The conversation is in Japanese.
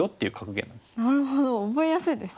なるほど覚えやすいですね。